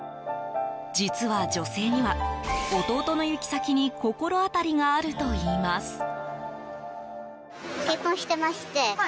実は女性には、弟の行き先に心当たりがあるといいます。